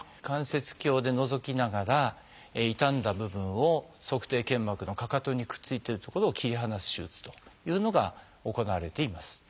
関節鏡でのぞきながら傷んだ部分を足底腱膜のかかとにくっついてる所を切り離す手術というのが行われています。